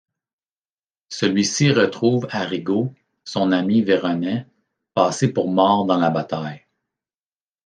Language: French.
Celui-ci retrouve Arrigo, son ami véronais, passé pour mort dans la bataille.